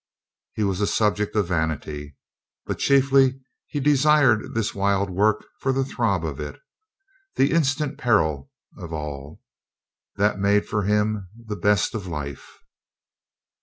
He was a subject of vanity. But chiefly he desired this wild work for the throb of it, the instant peril of all. That made for him the best of life.